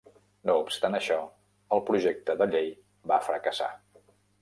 No obstant això, el projecte de llei va fracassar.